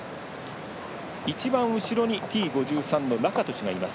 一番後ろにＴ５３のラカトシュがいます。